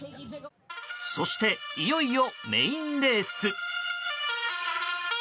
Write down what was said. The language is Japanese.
そして、いよいよメインレース。